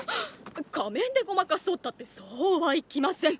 仮面でごまかそうたってそうはいきません。